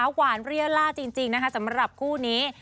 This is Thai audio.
หวานเรียล่าจริงนะคะสำหรับคู่นี้